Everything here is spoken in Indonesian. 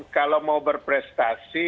kalau mau berprestasi